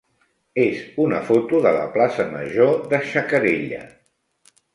és una foto de la plaça major de Xacarella.